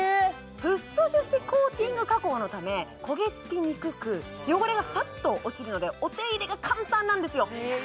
フッ素樹脂コーティング加工のため焦げつきにくく汚れがさっと落ちるのでお手入れが簡単なんですよ